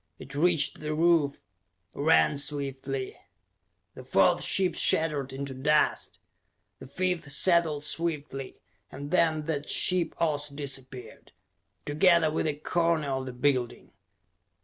It reached the roof, ran swiftly.... The fourth ship shattered into dust. The fifth settled swiftly and then that ship also disappeared, together with a corner of the building.